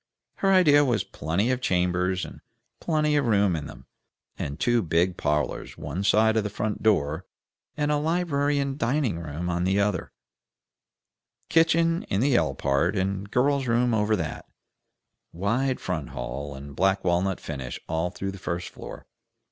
Her idea was plenty of chambers and plenty of room in them, and two big parlors one side of the front door, and a library and dining room on the other; kitchen in the L part, and girl's room over that; wide front hall, and black walnut finish all through the first floor.